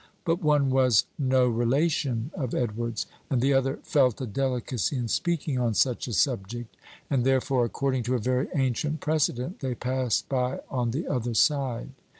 But one was "no relation," of Edward's, and the other "felt a delicacy in speaking on such a subject," and therefore, according to a very ancient precedent, they "passed by on the other side."